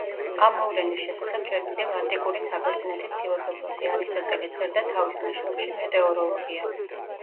ამ მოვლენის შესახებ ჯერ კიდევ ანტიკური საბერძნეთის ფილოსოფოსი არისტოტელე წერდა თავის ნაშრომში „მეტეოროლოგია“.